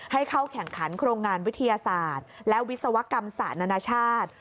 ให้เข้าแข่งขันโครงงานวิทยาศาสตร์และวิศวกรรมศาสตร์นานาชาติ